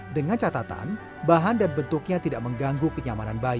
dengan catatan bahan dan bentuknya tidak mengganggu kenyamanan bayi